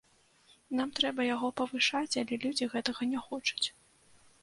Нам трэба яго павышаць, але людзі гэтага не хочуць.